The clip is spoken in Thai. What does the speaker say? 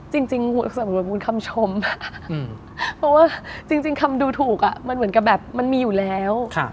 จริงสำหรับมูลคำชมเพราะว่าจริงคำดูถูกมันเหมือนกับแบบมันมีอยู่แล้ว